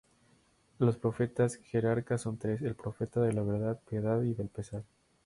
Los Profetas Jerarcas son tres: El Profeta de la Verdad, Piedad y del Pesar.